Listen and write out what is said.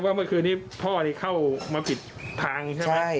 เมื่อคืนนี้พ่อนี่เข้ามาปิดทางใช่ไหม